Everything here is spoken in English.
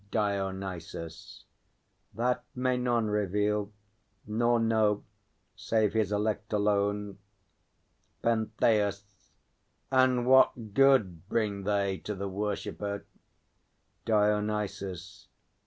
DIONYSUS. That may none Reveal, nor know, save his Elect alone. PENTHEUS. And what good bring they to the worshipper? DIONYSUS.